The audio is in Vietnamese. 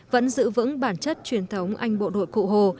vẫn giữ vững bản chất truyền thống anh bộ đội cụ hồ